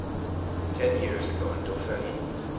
"Ten years ago, in Dauphiny.